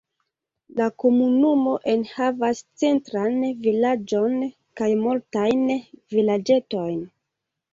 La komunumo enhavas centran vilaĝon kaj multajn vilaĝetojn.